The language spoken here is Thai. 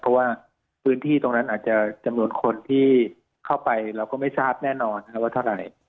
เพราะว่าพื้นที่ตรงนั้นอาจจะจำนวนคนที่เข้าไปเราก็ไม่ทราบแน่นอนว่าเท่าไหร่